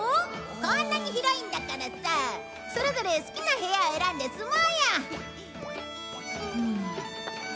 こんなに広いんだからさそれぞれ好きな部屋を選んで住もうよ！